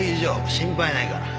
心配ないから。